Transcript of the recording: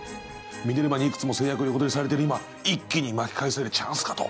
ミネルヴァにいくつも成約横取りされてる今一気に巻き返せるチャンスかと。